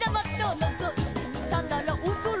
「のぞいてみたなら驚いた」